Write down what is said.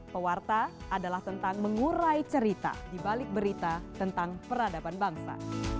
pewarta adalah tentang mengurai cerita di balik berita tentang peradaban bangsa